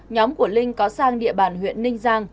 nhóm của linh có sang địa bàn huyện ninh giang